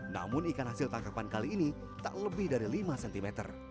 namun ikan hasil tangkapan kali ini tak lebih dari lima cm